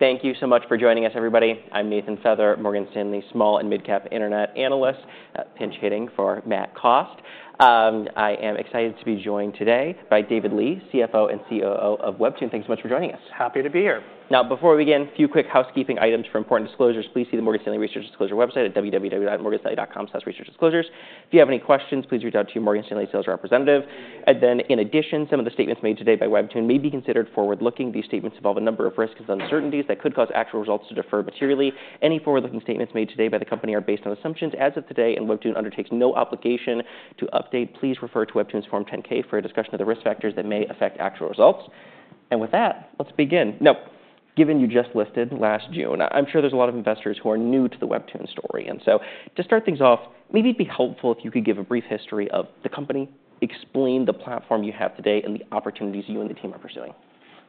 Thank you so much for joining us, everybody. I'm Nathan Feather, Morgan Stanley's small and mid-cap internet analyst, pinch hitting for Matt Cost. I am excited to be joined today by David Lee, CFO and COO of WEBTOON. Thanks so much for joining us. Happy to be here. Now, before we begin, a few quick housekeeping items for important disclosures. Please see the Morgan Stanley Research Disclosure website at www.morganstanley.com/researchdisclosures. If you have any questions, please reach out to your Morgan Stanley sales representative. In addition, some of the statements made today by WEBTOON may be considered forward-looking. These statements involve a number of risks and uncertainties that could cause actual results to differ materially. Any forward-looking statements made today by the company are based on assumptions as of today, and WEBTOON undertakes no obligation to update. Please refer to WEBTOON's Form 10-K for a discussion of the risk factors that may affect actual results. With that, let's begin. Now, given you just listed last June, I'm sure there are a lot of investors who are new to the WEBTOON story. To start things off, maybe it'd be helpful if you could give a brief history of the company, explain the platform you have today, and the opportunities you and the team are pursuing.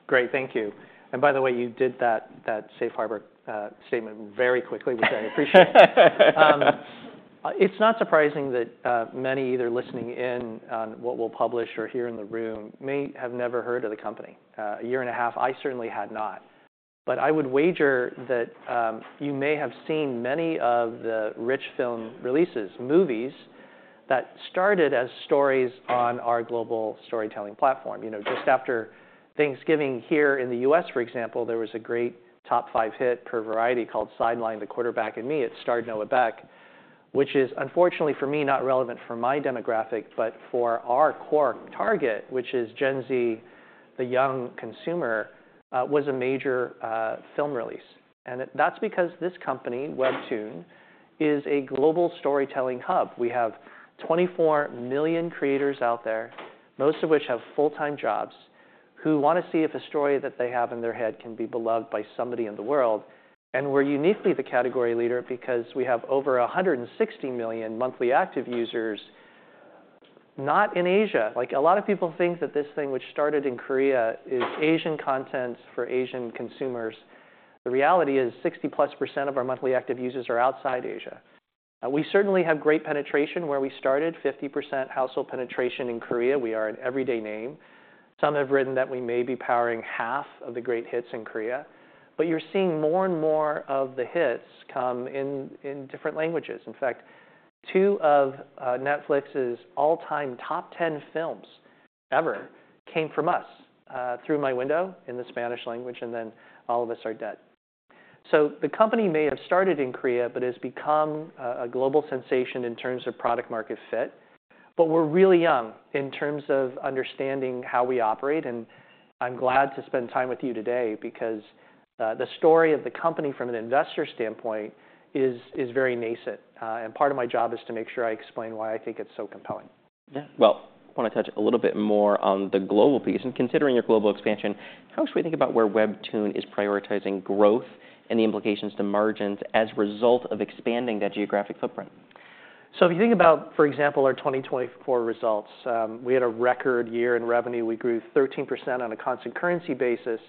Great, thank you. By the way, you did that safe harbor statement very quickly, which I appreciate. It is not surprising that many either listening in on what we will publish or here in the room may have never heard of the company. A year and a half, I certainly had not. I would wager that you may have seen many of the rich film releases, movies that started as stories on our global storytelling platform. Just after Thanksgiving here in the U.S., for example, there was a great top five hit per Variety called "Sideline: The Quarterback and Me." It starred Noah Beck, which is, unfortunately for me, not relevant for my demographic, but for our core target, which is Gen Z, the young consumer, was a major film release. That is because this company, WEBTOON, is a global storytelling hub. We have 24 million creators out there, most of which have full-time jobs, who want to see if a story that they have in their head can be beloved by somebody in the world. We are uniquely the category leader because we have over 160 million monthly active users, not in Asia. A lot of people think that this thing, which started in Korea, is Asian content for Asian consumers. The reality is 60% plus of our monthly active users are outside Asia. We certainly have great penetration where we started, 50% household penetration in Korea. We are an everyday name. Some have written that we may be powering half of the great hits in Korea. You are seeing more and more of the hits come in different languages. In fact, two of Netflix's all-time top 10 films ever came from us, Through My Window in the Spanish language, and then All of Us Are Dead. The company may have started in Korea, but has become a global sensation in terms of product-market fit. We're really young in terms of understanding how we operate. I'm glad to spend time with you today because the story of the company from an investor standpoint is very nascent. Part of my job is to make sure I explain why I think it's so compelling. Yeah. I want to touch a little bit more on the global piece. Considering your global expansion, how should we think about where WEBTOON is prioritizing growth and the implications to margins as a result of expanding that geographic footprint? If you think about, for example, our 2024 results, we had a record year in revenue. We grew 13% on a constant currency basis.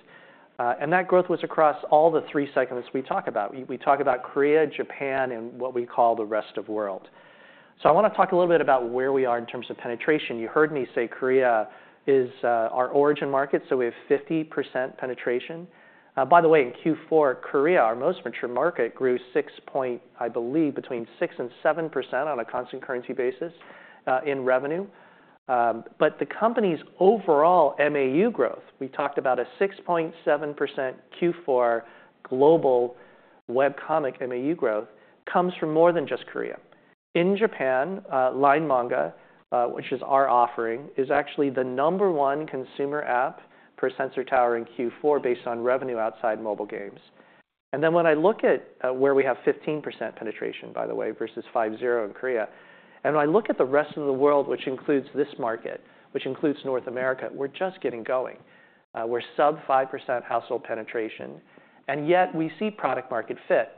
That growth was across all the three segments we talk about. We talk about Korea, Japan, and what we call the rest of the world. I want to talk a little bit about where we are in terms of penetration. You heard me say Korea is our origin market, so we have 50% penetration. By the way, in Q4, Korea, our most mature market, grew 6. I believe between 6% and 7% on a constant currency basis in revenue. The company's overall MAU growth, we talked about a 6.7% Q4 global webcomic MAU growth, comes from more than just Korea. In Japan, LINE MANGA, which is our offering, is actually the number one consumer app per Sensor Tower in Q4 based on revenue outside mobile games. When I look at where we have 15% penetration, by the way, versus 5% in Korea, and when I look at the rest of the world, which includes this market, which includes North America, we're just getting going. We're sub 5% household penetration. Yet we see product-market fit.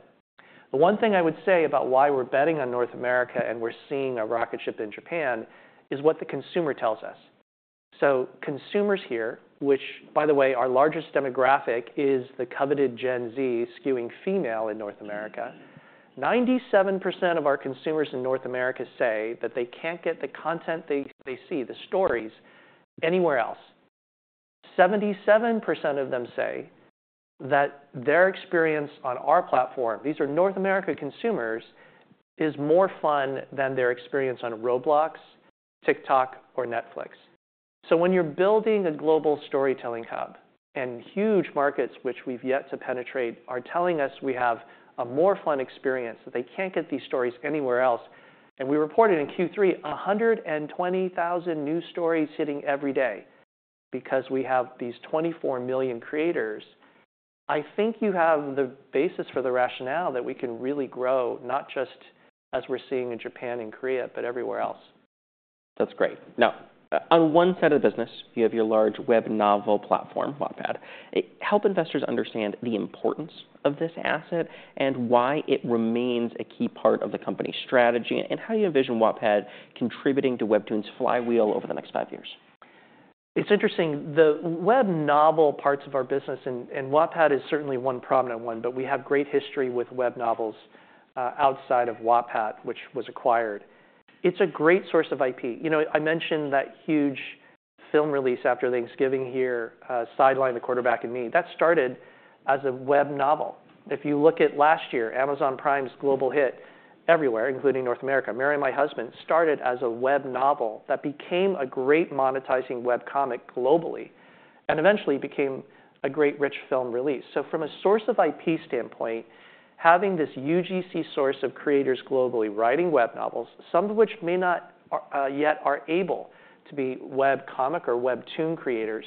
The one thing I would say about why we're betting on North America and we're seeing a rocket ship in Japan is what the consumer tells us. Consumers here, which, by the way, our largest demographic is the coveted Gen Z, skewing female in North America, 97% of our consumers in North America say that they can't get the content they see, the stories, anywhere else. 77% of them say that their experience on our platform, these are North America consumers, is more fun than their experience on Roblox, TikTok, or Netflix. When you're building a global storytelling hub and huge markets, which we've yet to penetrate, are telling us we have a more fun experience, that they can't get these stories anywhere else, and we reported in Q3 120,000 new stories hitting every day because we have these 24 million creators, I think you have the basis for the rationale that we can really grow not just as we're seeing in Japan and Korea, but everywhere else. That's great. Now, on one side of the business, you have your large web novel platform, Wattpad. Help investors understand the importance of this asset and why it remains a key part of the company's strategy, and how you envision Wattpad contributing to WEBTOON's flywheel over the next five years. It's interesting. The web novel parts of our business, and Wattpad is certainly one prominent one, but we have great history with web novels outside of Wattpad, which was acquired. It's a great source of IP. You know, I mentioned that huge film release after Thanksgiving here, "Sideline: The Quarterback and Me." That started as a web novel. If you look at last year, Amazon Prime's global hit everywhere, including North America, "Marry My Husband," started as a web novel that became a great monetizing webcomic globally and eventually became a great rich film release. From a source of IP standpoint, having this UGC source of creators globally writing web novels, some of which may not yet be able to be webcomic or WEBTOON creators,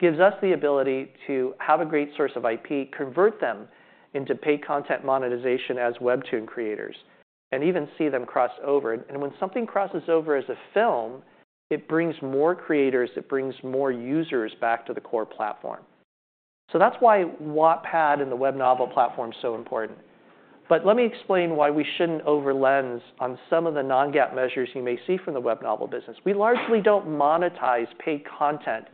gives us the ability to have a great source of IP, convert them into paid content monetization as WEBTOON creators, and even see them cross over. When something crosses over as a film, it brings more creators, it brings more users back to the core platform. That is why Wattpad and the web novel platform is so important. Let me explain why we shouldn't over-lens on some of the non-GAAP measures you may see from the web novel business. We largely don't monetize paid content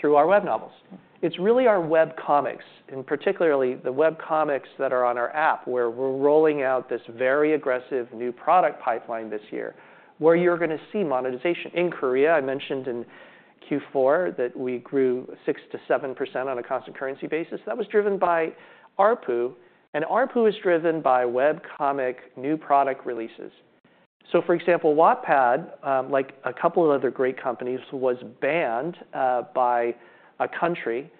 through our web novels. It's really our webcomics, and particularly the webcomics that are on our app, where we're rolling out this very aggressive new product pipeline this year, where you're going to see monetization. In Korea, I mentioned in Q4 that we grew 6%-7% on a constant currency basis. That was driven by ARPU. And ARPU is driven by webcomic new product releases. For example, Wattpad, like a couple of other great companies, was banned by a country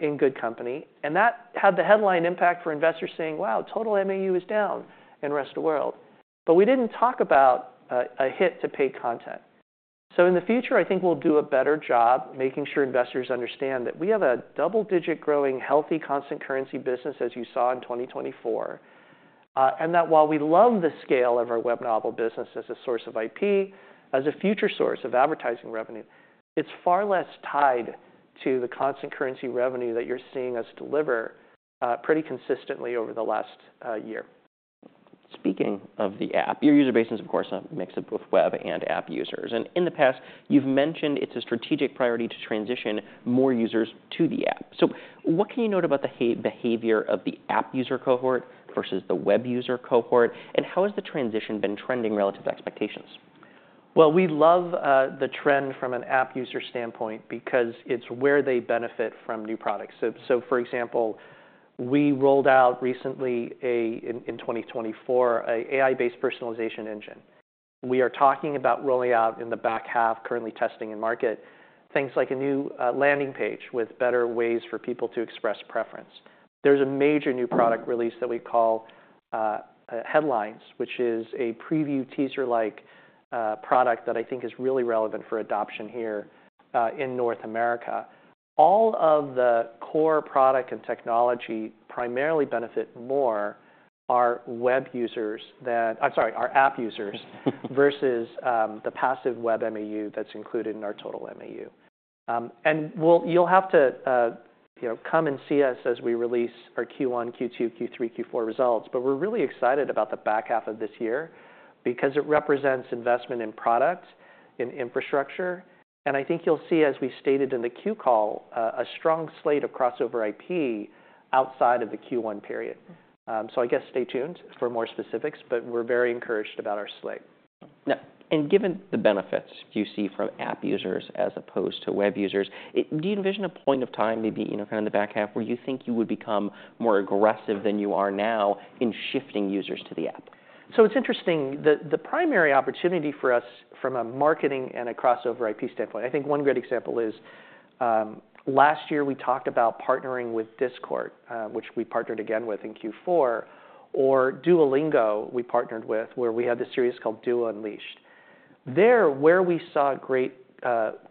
in good company. That had the headline impact for investors saying, "Wow, total MAU is down in the rest of the world." We didn't talk about a hit to paid content. In the future, I think we'll do a better job making sure investors understand that we have a double-digit growing, healthy constant currency business, as you saw in 2024, and that while we love the scale of our web novel business as a source of IP, as a future source of advertising revenue, it's far less tied to the constant currency revenue that you're seeing us deliver pretty consistently over the last year. Speaking of the app, your user base is, of course, a mix of both web and app users. In the past, you've mentioned it's a strategic priority to transition more users to the app. What can you note about the behavior of the app user cohort versus the web user cohort? How has the transition been trending relative to expectations? We love the trend from an app user standpoint because it's where they benefit from new products. For example, we rolled out recently, in 2024, an AI-based personalization engine. We are talking about rolling out in the back half, currently testing in market, things like a new landing page with better ways for people to express preference. There is a major new product release that we call Headlines, which is a preview teaser-like product that I think is really relevant for adoption here in North America. All of the core product and technology primarily benefit more our app users versus the passive web MAU that is included in our total MAU. You will have to come and see us as we release our Q1, Q2, Q3, Q4 results. We are really excited about the back half of this year because it represents investment in product, in infrastructure. I think you'll see, as we stated in the Q call, a strong slate of crossover IP outside of the Q1 period. I guess stay tuned for more specifics, but we are very encouraged about our slate. Now, and given the benefits you see from app users as opposed to web users, do you envision a point of time, maybe kind of the back half, where you think you would become more aggressive than you are now in shifting users to the app? It's interesting. The primary opportunity for us from a marketing and a crossover IP standpoint, I think one great example is last year we talked about partnering with Discord, which we partnered again with in Q4, or Duolingo, we partnered with, where we had the series called "Duo Unleashed." There, where we saw great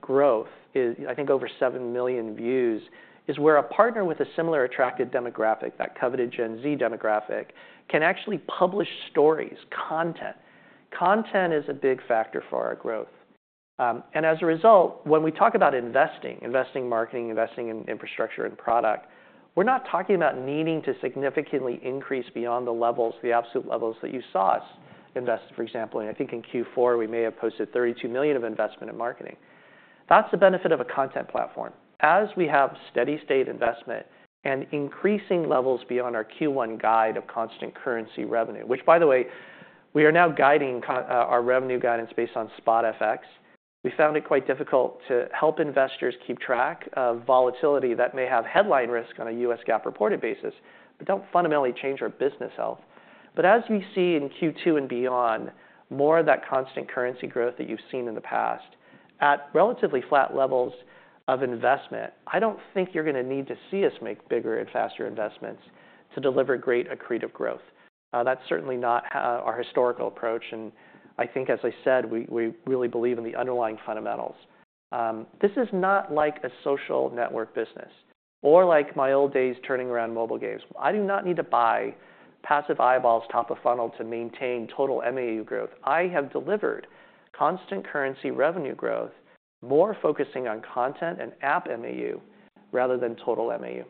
growth, I think over 7 million views, is where a partner with a similar attractive demographic, that coveted Gen Z demographic, can actually publish stories, content. Content is a big factor for our growth. As a result, when we talk about investing, investing in marketing, investing in infrastructure and product, we're not talking about needing to significantly increase beyond the levels, the absolute levels that you saw us invest, for example. I think in Q4, we may have posted $32 million of investment in marketing. That's the benefit of a content platform. As we have steady state investment and increasing levels beyond our Q1 guide of constant currency revenue, which, by the way, we are now guiding our revenue guidance based on spot FX, we found it quite difficult to help investors keep track of volatility that may have headline risk on a US GAAP reported basis, but do not fundamentally change our business health. As we see in Q2 and beyond, more of that constant currency growth that you have seen in the past at relatively flat levels of investment, I do not think you are going to need to see us make bigger and faster investments to deliver great accretive growth. That is certainly not our historical approach. I think, as I said, we really believe in the underlying fundamentals. This is not like a social network business or like my old days turning around mobile games. I do not need to buy passive eyeballs top of funnel to maintain total MAU growth. I have delivered constant currency revenue growth, more focusing on content and app MAU rather than total MAU.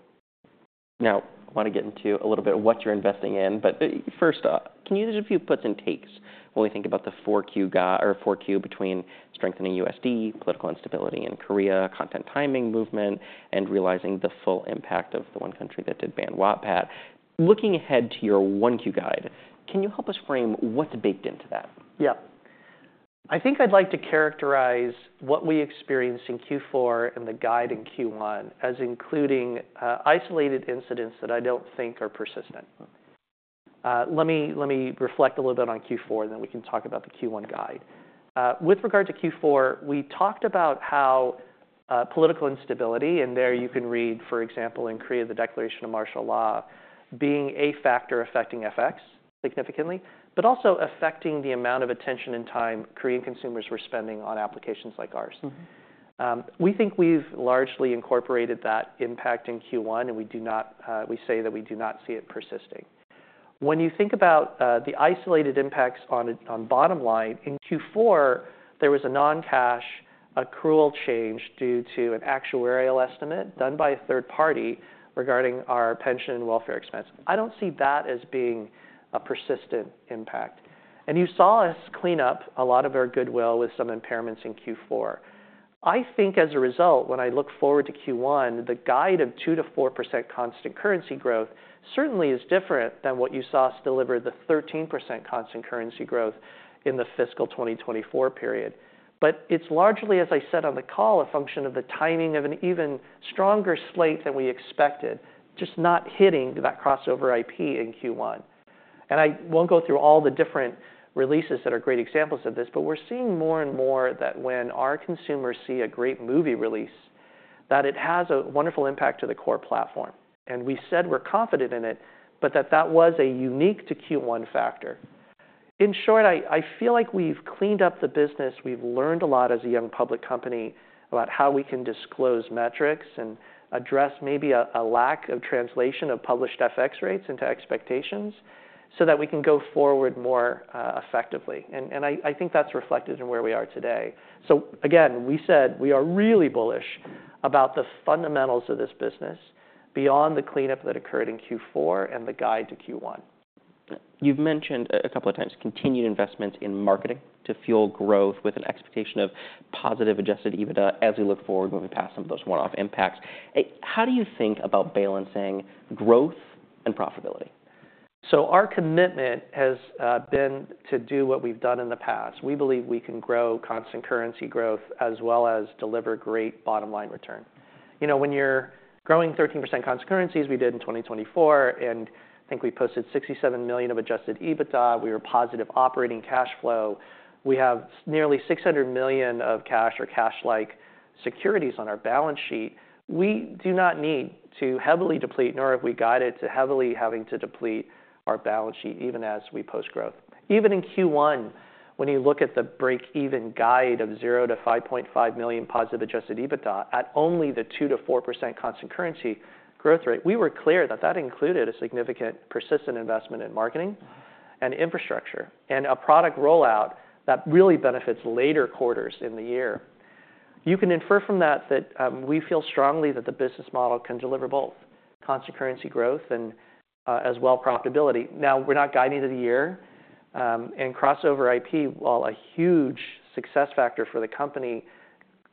Now, I want to get into a little bit of what you're investing in. First, can you just give a few puts and takes when we think about the 4Q or 4Q between strengthening USD, political instability in Korea, content timing movement, and realizing the full impact of the one country that did ban Wattpad? Looking ahead to your 1Q guide, can you help us frame what's baked into that? Yeah. I think I'd like to characterize what we experienced in Q4 and the guide in Q1 as including isolated incidents that I don't think are persistent. Let me reflect a little bit on Q4, and then we can talk about the Q1 guide. With regard to Q4, we talked about how political instability, and there you can read, for example, in Korea, the declaration of martial law being a factor affecting FX significantly, but also affecting the amount of attention and time Korean consumers were spending on applications like ours. We think we've largely incorporated that impact in Q1, and we say that we do not see it persisting. When you think about the isolated impacts on bottom line, in Q4, there was a non-cash accrual change due to an actuarial estimate done by a third party regarding our pension and welfare expense. I do not see that as being a persistent impact. You saw us clean up a lot of our goodwill with some impairments in Q4. I think as a result, when I look forward to Q1, the guide of 2%-4% constant currency growth certainly is different than what you saw us deliver, the 13% constant currency growth in the fiscal 2024 period. It is largely, as I said on the call, a function of the timing of an even stronger slate than we expected, just not hitting that crossover IP in Q1. I will not go through all the different releases that are great examples of this, but we are seeing more and more that when our consumers see a great movie release, it has a wonderful impact to the core platform. We said we are confident in it, but that was a unique to Q1 factor. In short, I feel like we've cleaned up the business. We've learned a lot as a young public company about how we can disclose metrics and address maybe a lack of translation of published FX rates into expectations so that we can go forward more effectively. I think that's reflected in where we are today. Again, we said we are really bullish about the fundamentals of this business beyond the cleanup that occurred in Q4 and the guide to Q1. You've mentioned a couple of times continued investments in marketing to fuel growth with an expectation of positive adjusted EBITDA as we look forward moving past some of those one-off impacts. How do you think about balancing growth and profitability? Our commitment has been to do what we've done in the past. We believe we can grow constant currency growth as well as deliver great bottom line return. You know, when you're growing 13% constant currency, as we did in 2024, and I think we posted $67 million of adjusted EBITDA. We were positive operating cash flow. We have nearly $600 million of cash or cash-like securities on our balance sheet. We do not need to heavily deplete, nor have we guided to heavily having to deplete our balance sheet even as we post growth. Even in Q1, when you look at the break-even guide of 0%-$5.5 million positive adjusted EBITDA at only the 2%-4% constant currency growth rate, we were clear that that included a significant persistent investment in marketing and infrastructure and a product rollout that really benefits later quarters in the year. You can infer from that that we feel strongly that the business model can deliver both constant currency growth and as well profitability. Now, we're not guiding to the year. Crossover IP, while a huge success factor for the company,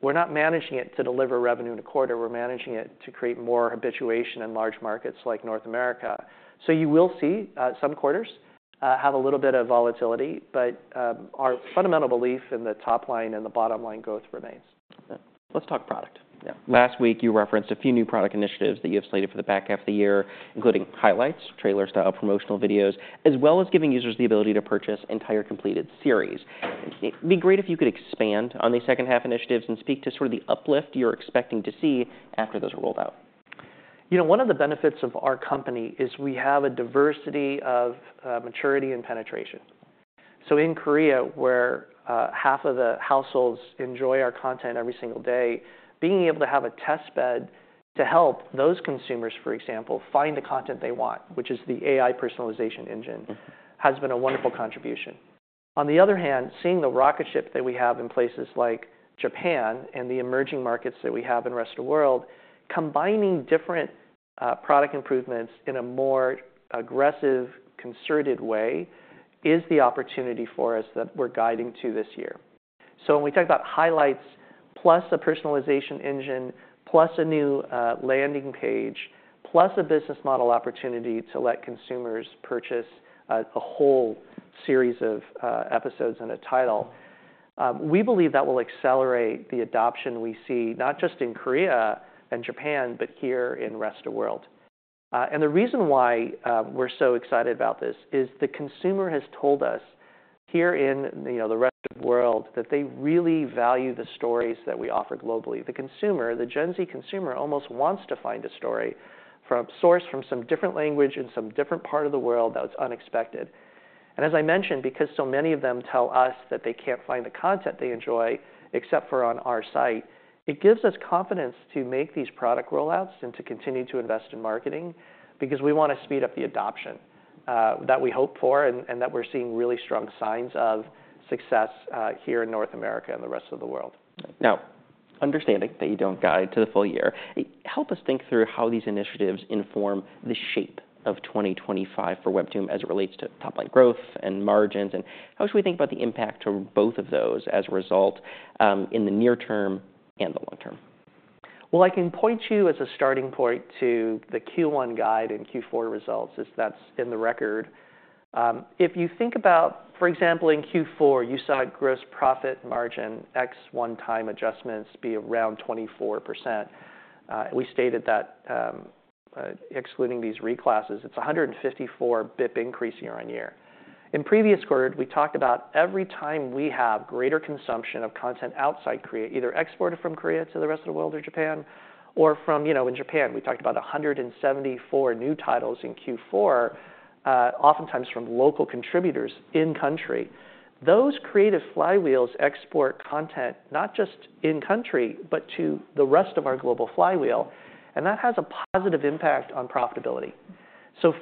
we're not managing it to deliver revenue in a quarter. We're managing it to create more habituation in large markets like North America. You will see some quarters have a little bit of volatility, but our fundamental belief in the top line and the bottom line growth remains. Let's talk product. Last week, you referenced a few new product initiatives that you have slated for the back half of the year, including highlights, trailers, promotional videos, as well as giving users the ability to purchase entire completed series. It'd be great if you could expand on the second half initiatives and speak to sort of the uplift you're expecting to see after those are rolled out. You know, one of the benefits of our company is we have a diversity of maturity and penetration. In Korea, where half of the households enjoy our content every single day, being able to have a test bed to help those consumers, for example, find the content they want, which is the AI personalization engine, has been a wonderful contribution. On the other hand, seeing the rocket ship that we have in places like Japan and the emerging markets that we have in the rest of the world, combining different product improvements in a more aggressive, concerted way is the opportunity for us that we're guiding to this year. When we talk about highlights, plus a personalization engine, plus a new landing page, plus a business model opportunity to let consumers purchase a whole series of episodes and a title, we believe that will accelerate the adoption we see not just in Korea and Japan, but here in the rest of the world. The reason why we're so excited about this is the consumer has told us here in the rest of the world that they really value the stories that we offer globally. The consumer, the Gen Z consumer, almost wants to find a story sourced from some different language in some different part of the world that was unexpected. As I mentioned, because so many of them tell us that they can't find the content they enjoy except for on our site, it gives us confidence to make these product rollouts and to continue to invest in marketing because we want to speed up the adoption that we hope for and that we're seeing really strong signs of success here in North America and the rest of the world. Now, understanding that you do not guide to the full year, help us think through how these initiatives inform the shape of 2025 for WEBTOON as it relates to top line growth and margins. How should we think about the impact of both of those as a result in the near term and the long term? I can point you as a starting point to the Q1 guide and Q4 results as that's in the record. If you think about, for example, in Q4, you saw gross profit margin excluding one-time adjustments be around 24%. We stated that excluding these reclasses, it's a 154 basis point increase year on year. In previous quarter, we talked about every time we have greater consumption of content outside Korea, either exported from Korea to the rest of the world or Japan, or from, you know, in Japan, we talked about 174 new titles in Q4, oftentimes from local contributors in country. Those creative flywheels export content not just in country, but to the rest of our global flywheel. That has a positive impact on profitability.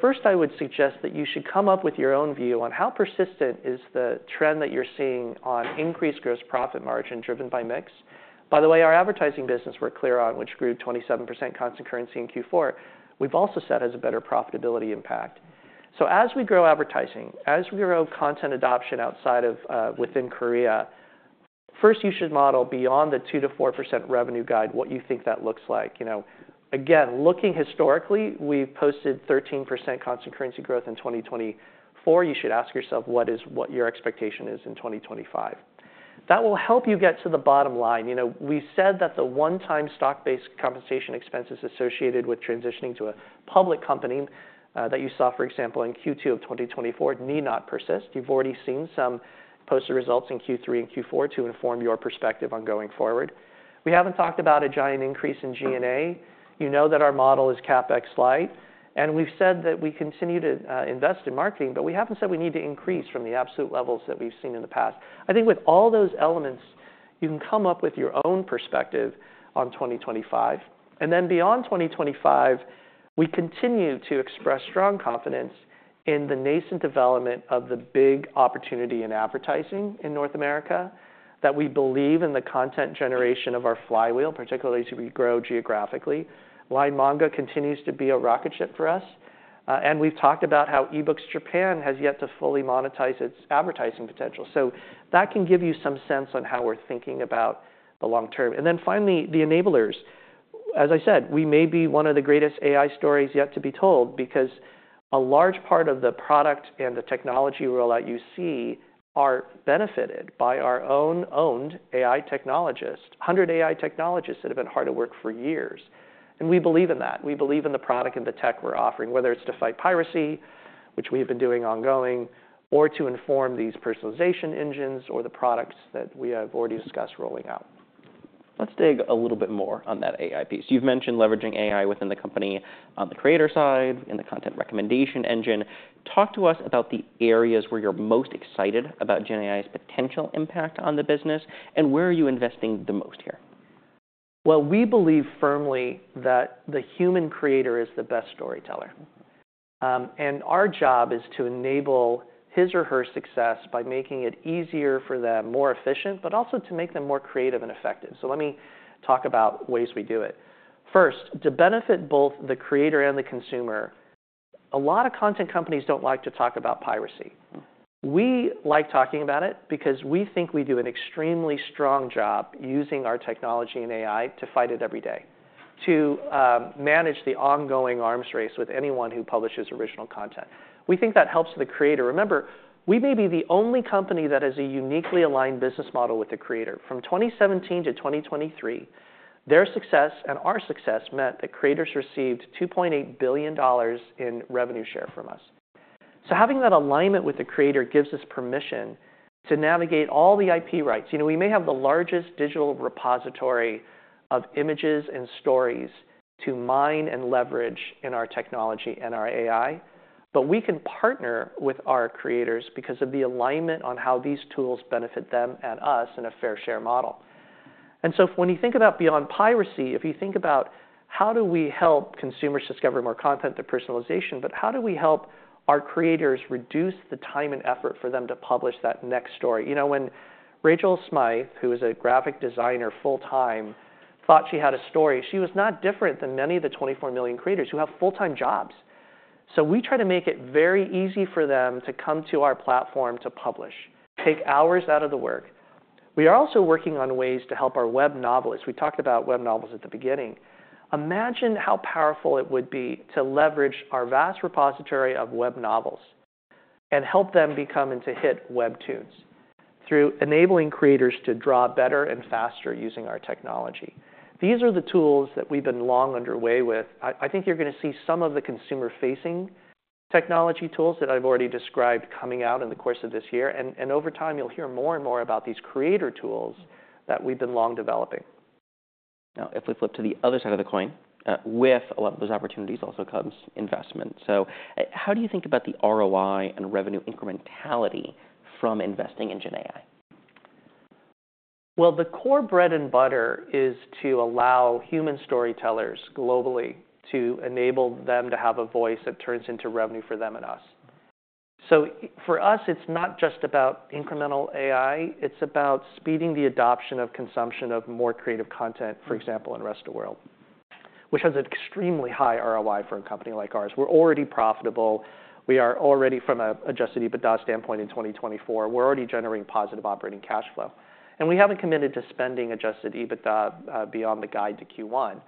First, I would suggest that you should come up with your own view on how persistent is the trend that you're seeing on increased gross profit margin driven by mix. By the way, our advertising business, we're clear on, which grew 27% constant currency in Q4. We've also said has a better profitability impact. As we grow advertising, as we grow content adoption outside of within Korea, first, you should model beyond the 2%-4% revenue guide what you think that looks like. You know, again, looking historically, we've posted 13% constant currency growth in 2024. You should ask yourself what is what your expectation is in 2025. That will help you get to the bottom line. You know, we said that the one-time stock-based compensation expenses associated with transitioning to a public company that you saw, for example, in Q2 of 2024 need not persist. You've already seen some posted results in Q3 and Q4 to inform your perspective on going forward. We haven't talked about a giant increase in G&A. You know that our model is CapEx light. And we've said that we continue to invest in marketing, but we haven't said we need to increase from the absolute levels that we've seen in the past. I think with all those elements, you can come up with your own perspective on 2025. Beyond 2025, we continue to express strong confidence in the nascent development of the big opportunity in advertising in North America that we believe in the content generation of our flywheel, particularly as we grow geographically. LINE MANGA continues to be a rocket ship for us. We've talked about how eBookJapan has yet to fully monetize its advertising potential. That can give you some sense on how we're thinking about the long term. Finally, the enablers. As I said, we may be one of the greatest AI stories yet to be told because a large part of the product and the technology rollout you see are benefited by our own owned AI technologists, 100 AI technologists that have been hard at work for years. We believe in that. We believe in the product and the tech we're offering, whether it's to fight piracy, which we have been doing ongoing, or to inform these personalization engines or the products that we have already discussed rolling out. Let's dig a little bit more on that AI piece. You've mentioned leveraging AI within the company on the creator side, in the content recommendation engine. Talk to us about the areas where you're most excited about GenAI's potential impact on the business and where are you investing the most here. We believe firmly that the human creator is the best storyteller. Our job is to enable his or her success by making it easier for them, more efficient, but also to make them more creative and effective. Let me talk about ways we do it. First, to benefit both the creator and the consumer, a lot of content companies do not like to talk about piracy. We like talking about it because we think we do an extremely strong job using our technology and AI to fight it every day, to manage the ongoing arms race with anyone who publishes original content. We think that helps the creator. Remember, we may be the only company that has a uniquely aligned business model with the creator. From 2017 to 2023, their success and our success meant that creators received $2.8 billion in revenue share from us. Having that alignment with the creator gives us permission to navigate all the IP rights. You know, we may have the largest digital repository of images and stories to mine and leverage in our technology and our AI, but we can partner with our creators because of the alignment on how these tools benefit them and us in a fair share model. When you think about beyond piracy, if you think about how do we help consumers discover more content through personalization, but how do we help our creators reduce the time and effort for them to publish that next story? You know, when Rachel Smythe, who is a graphic designer full-time, thought she had a story, she was not different than many of the 24 million creators who have full-time jobs. We try to make it very easy for them to come to our platform to publish, take hours out of the work. We are also working on ways to help our web novelists. We talked about web novels at the beginning. Imagine how powerful it would be to leverage our vast repository of web novels and help them become into hit webtoons through enabling creators to draw better and faster using our technology. These are the tools that we've been long underway with. I think you're going to see some of the consumer-facing technology tools that I've already described coming out in the course of this year. Over time, you'll hear more and more about these creator tools that we've been long developing. Now, if we flip to the other side of the coin, with a lot of those opportunities also comes investment. How do you think about the ROI and revenue incrementality from investing in GenAI? The core bread and butter is to allow human storytellers globally to enable them to have a voice that turns into revenue for them and us. For us, it's not just about incremental AI. It's about speeding the adoption of consumption of more creative content, for example, in the rest of the world, which has an extremely high ROI for a company like ours. We're already profitable. We are already, from an adjusted EBITDA standpoint in 2024, already generating positive operating cash flow. We haven't committed to spending adjusted EBITDA beyond the guide to Q1.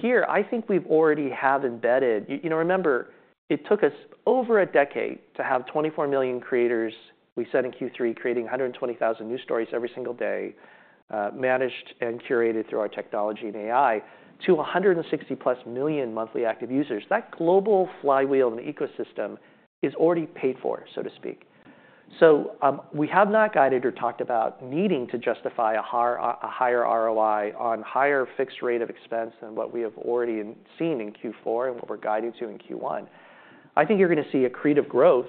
Here, I think we've already had embedded, you know, remember, it took us over a decade to have 24 million creators. We said in Q3, creating 120,000 new stories every single day, managed and curated through our technology and AI, to 160 plus million monthly active users. That global flywheel and ecosystem is already paid for, so to speak. We have not guided or talked about needing to justify a higher ROI on higher fixed rate of expense than what we have already seen in Q4 and what we're guiding to in Q1. I think you're going to see a creative growth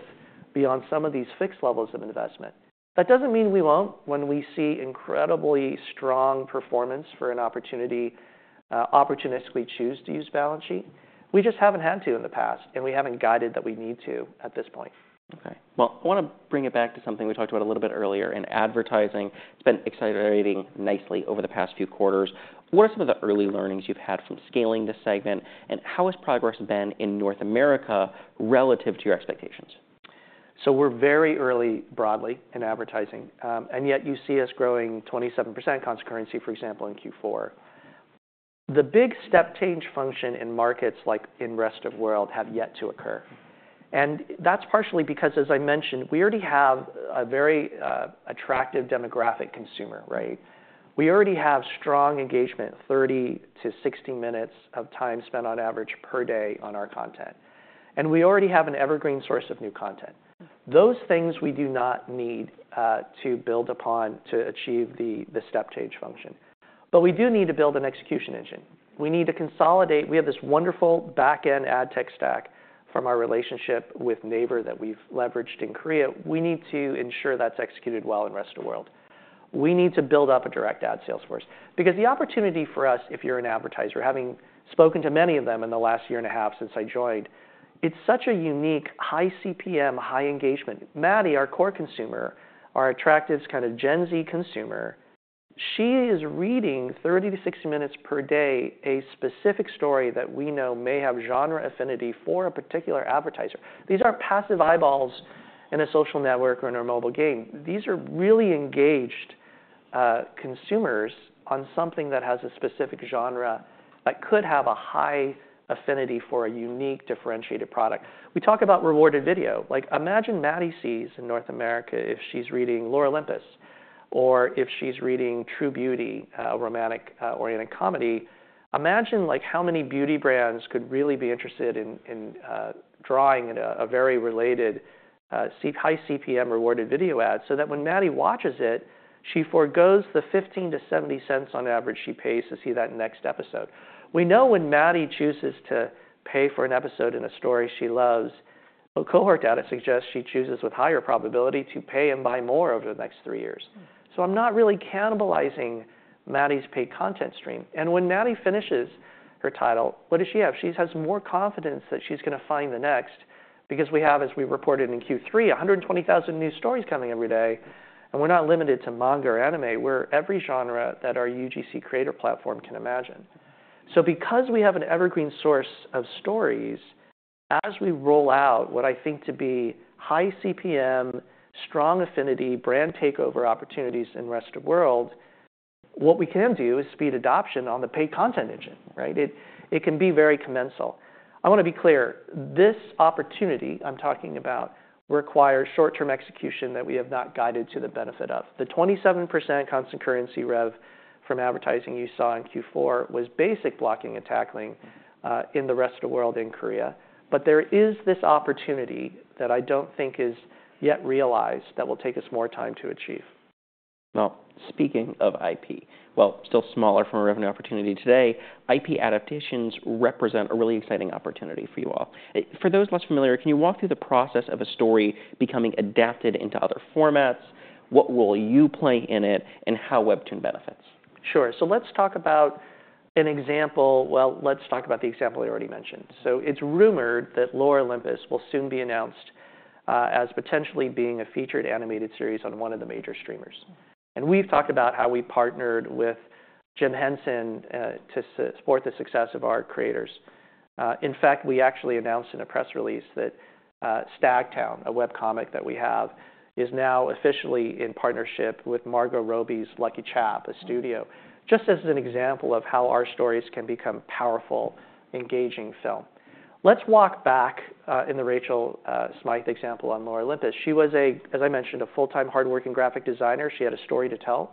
beyond some of these fixed levels of investment. That doesn't mean we won't when we see incredibly strong performance for an opportunity opportunistically choose to use balance sheet. We just haven't had to in the past, and we haven't guided that we need to at this point. Okay. I want to bring it back to something we talked about a little bit earlier in advertising. It's been accelerating nicely over the past few quarters. What are some of the early learnings you've had from scaling the segment, and how has progress been in North America relative to your expectations? We're very early broadly in advertising. Yet you see us growing 27% constant currency, for example, in Q4. The big step change function in markets like in the rest of the world have yet to occur. That's partially because, as I mentioned, we already have a very attractive demographic consumer, right? We already have strong engagement, 30-60 minutes of time spent on average per day on our content. We already have an evergreen source of new content. Those things we do not need to build upon to achieve the step change function. We do need to build an execution engine. We need to consolidate. We have this wonderful backend ad tech stack from our relationship with Naver that we've leveraged in Korea. We need to ensure that's executed well in the rest of the world. We need to build up a direct ad sales force because the opportunity for us, if you're an advertiser, having spoken to many of them in the last year and a half since I joined, it's such a unique high CPM, high engagement. Maddie, our core consumer, our attractive kind of Gen Z consumer, she is reading 30-60 minutes per day a specific story that we know may have genre affinity for a particular advertiser. These aren't passive eyeballs in a social network or in a mobile game. These are really engaged consumers on something that has a specific genre that could have a high affinity for a unique differentiated product. We talk about rewarded video. Like, imagine Maddie sees in North America if she's reading Lore Olympus or if she's reading True Beauty, a romantic-oriented comedy. Imagine like how many beauty brands could really be interested in drawing in a very related high CPM rewarded video ad so that when Maddie watches it, she forgoes the 15-70 cents on average she pays to see that next episode. We know when Maddie chooses to pay for an episode in a story she loves, a cohort data suggests she chooses with higher probability to pay and buy more over the next three years. I am not really cannibalizing Maddie's paid content stream. When Maddie finishes her title, what does she have? She has more confidence that she is going to find the next because we have, as we reported in Q3, 120,000 new stories coming every day. We are not limited to manga or anime. We are every genre that our UGC creator platform can imagine. Because we have an evergreen source of stories, as we roll out what I think to be high CPM, strong affinity, brand takeover opportunities in the rest of the world, what we can do is speed adoption on the paid content engine, right? It can be very commensal. I want to be clear. This opportunity I am talking about requires short-term execution that we have not guided to the benefit of. The 27% constant currency rev from advertising you saw in Q4 was basic blocking and tackling in the rest of the world in Korea. There is this opportunity that I do not think is yet realized that will take us more time to achieve. Now, speaking of IP, while still smaller from a revenue opportunity today, IP adaptations represent a really exciting opportunity for you all. For those less familiar, can you walk through the process of a story becoming adapted into other formats? What role you play in it and how WEBTOON benefits? Sure. Let's talk about an example. Let's talk about the example I already mentioned. It's rumored that Lore Olympus will soon be announced as potentially being a featured animated series on one of the major streamers. We talked about how we partnered with Jim Henson to support the success of our creators. In fact, we actually announced in a press release that Stagtown, a webcomic that we have, is now officially in partnership with Margot Robbie's LuckyChap, a studio, just as an example of how our stories can become powerful, engaging film. Let's walk back in the Rachel Smythe example on Lore Olympus. She was, as I mentioned, a full-time hardworking graphic designer. She had a story to tell.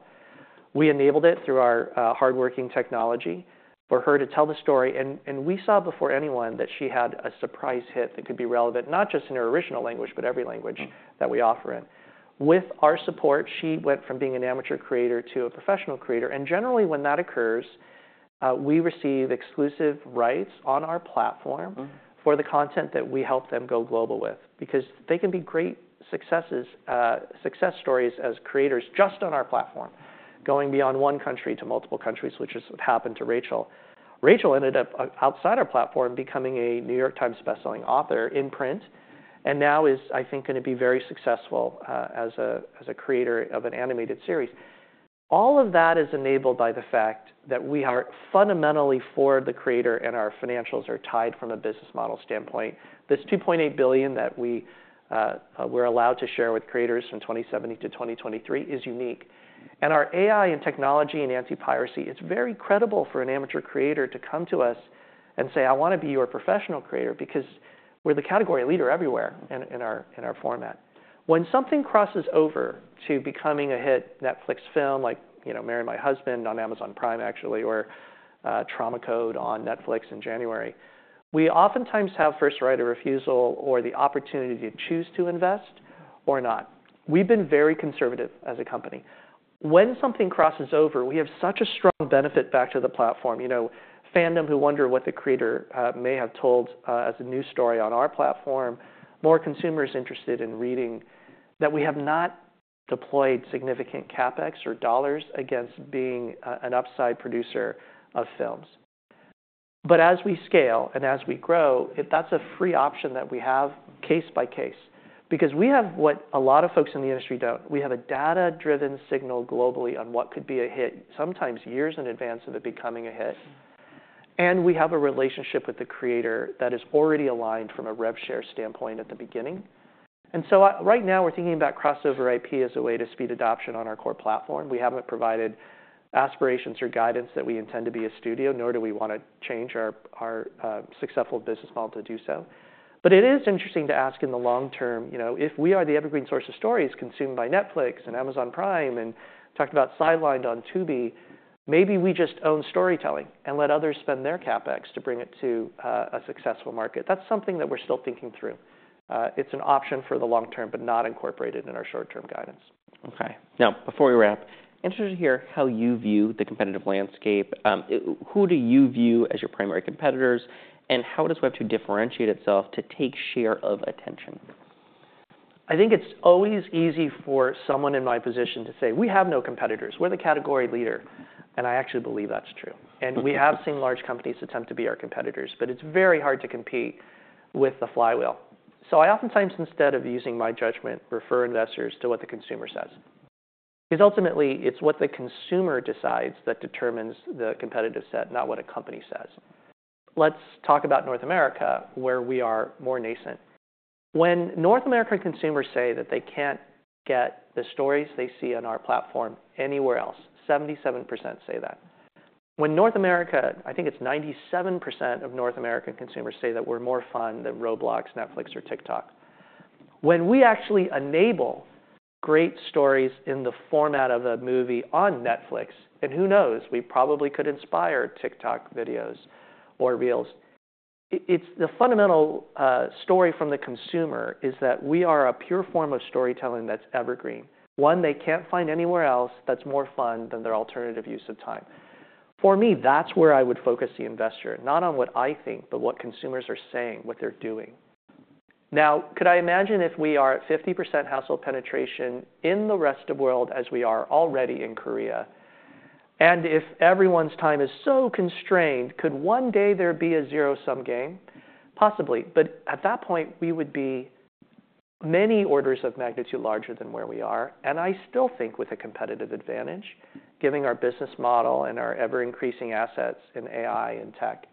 We enabled it through our hardworking technology for her to tell the story. We saw before anyone that she had a surprise hit that could be relevant, not just in her original language, but every language that we offer it. With our support, she went from being an amateur creator to a professional creator. Generally, when that occurs, we receive exclusive rights on our platform for the content that we help them go global with because they can be great success stories as creators just on our platform, going beyond one country to multiple countries, which is what happened to Rachel. Rachel ended up outside our platform becoming a New York Times bestselling author in print and now is, I think, going to be very successful as a creator of an animated series. All of that is enabled by the fact that we are fundamentally for the creator and our financials are tied from a business model standpoint. This $2.8 billion that we're allowed to share with creators from 2017 to 2023 is unique. And our AI and technology and anti-piracy is very credible for an amateur creator to come to us and say, "I want to be your professional creator because we're the category leader everywhere in our format." When something crosses over to becoming a hit Netflix film like Marry My Husband on Amazon Prime, actually, or Trauma Code on Netflix in January, we oftentimes have first writer refusal or the opportunity to choose to invest or not. We've been very conservative as a company. When something crosses over, we have such a strong benefit back to the platform. You know, fandom who wonder what the creator may have told as a new story on our platform, more consumers interested in reading that we have not deployed significant CapEx or dollars against being an upside producer of films. As we scale and as we grow, that's a free option that we have case by case because we have what a lot of folks in the industry do not. We have a data-driven signal globally on what could be a hit, sometimes years in advance of it becoming a hit. We have a relationship with the creator that is already aligned from a rev share standpoint at the beginning. Right now, we're thinking about crossover IP as a way to speed adoption on our core platform. We haven't provided aspirations or guidance that we intend to be a studio, nor do we want to change our successful business model to do so. It is interesting to ask in the long term, you know, if we are the evergreen source of stories consumed by Netflix and Amazon Prime and talked about sidelined on Tubi, maybe we just own storytelling and let others spend their CapEx to bring it to a successful market. That is something that we're still thinking through. It's an option for the long term, but not incorporated in our short-term guidance. Okay. Now, before we wrap, interested to hear how you view the competitive landscape. Who do you view as your primary competitors and how does WEBTOON differentiate itself to take share of attention? I think it's always easy for someone in my position to say, "We have no competitors. We're the category leader." I actually believe that's true. We have seen large companies attempt to be our competitors, but it's very hard to compete with the flywheel. I oftentimes, instead of using my judgment, refer investors to what the consumer says. Because ultimately, it's what the consumer decides that determines the competitive set, not what a company says. Let's talk about North America, where we are more nascent. When North American consumers say that they can't get the stories they see on our platform anywhere else, 77% say that. When North America, I think it's 97% of North American consumers say that we're more fun than Roblox, Netflix, or TikTok. When we actually enable great stories in the format of a movie on Netflix, and who knows, we probably could inspire TikTok videos or reels. The fundamental story from the consumer is that we are a pure form of storytelling that's evergreen, one they can't find anywhere else that's more fun than their alternative use of time. For me, that's where I would focus the investor, not on what I think, but what consumers are saying, what they're doing. Now, could I imagine if we are at 50% household penetration in the rest of the world as we are already in Korea? And if everyone's time is so constrained, could one day there be a zero-sum game? Possibly. At that point, we would be many orders of magnitude larger than where we are. I still think with a competitive advantage, given our business model and our ever-increasing assets in AI and tech.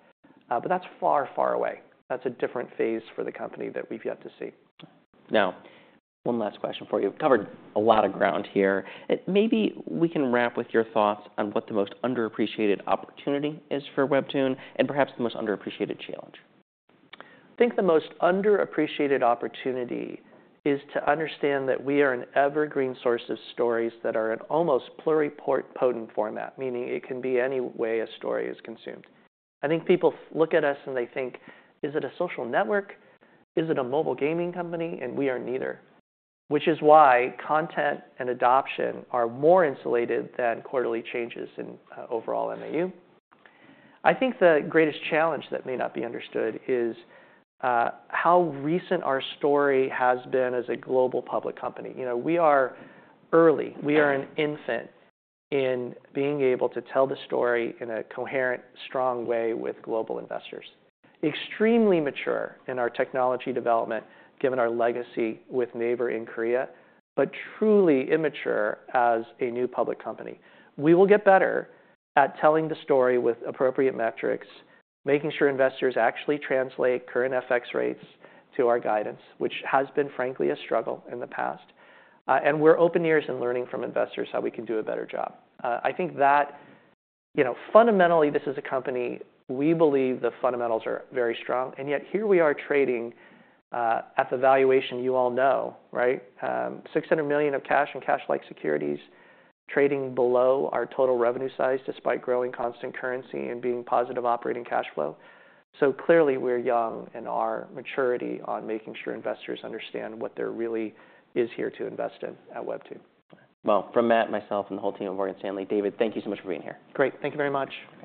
That is far, far away. That is a different phase for the company that we have yet to see. Now, one last question for you. We've covered a lot of ground here. Maybe we can wrap with your thoughts on what the most underappreciated opportunity is for WEBTOON and perhaps the most underappreciated challenge. I think the most underappreciated opportunity is to understand that we are an evergreen source of stories that are in almost pluripotent format, meaning it can be any way a story is consumed. I think people look at us and they think, "Is it a social network? Is it a mobile gaming company?" We are neither, which is why content and adoption are more insulated than quarterly changes in overall MAU. I think the greatest challenge that may not be understood is how recent our story has been as a global public company. You know, we are early. We are an infant in being able to tell the story in a coherent, strong way with global investors. Extremely mature in our technology development, given our legacy with Naver in Korea, but truly immature as a new public company. We will get better at telling the story with appropriate metrics, making sure investors actually translate current FX rates to our guidance, which has been, frankly, a struggle in the past. We're open ears and learning from investors how we can do a better job. I think that, you know, fundamentally, this is a company we believe the fundamentals are very strong. Yet here we are trading at the valuation you all know, right? $600 million of cash and cash-like securities trading below our total revenue size despite growing constant currency and being positive operating cash flow. Clearly, we're young in our maturity on making sure investors understand what there really is here to invest in at WEBTOON. From Matt, myself, and the whole team of Morgan Stanley, David, thank you so much for being here. Great. Thank you very much.